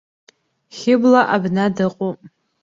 Хьыбла абна дыҟоуп!